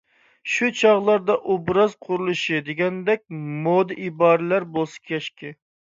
شۇ چاغلاردا «ئوبراز قۇرۇلۇشى» دېگەندەك مودا ئىبارىلەر بولسا كاشكى.